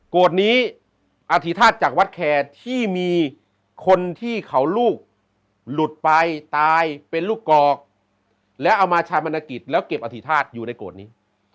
นี้อธิษฐาตุจากวัดแคร์ที่มีคนที่เขาลูกหลุดไปตายเป็นลูกกอกแล้วเอามาชามณกิจแล้วเก็บอธิษฐาตุอยู่ในโกรธนี้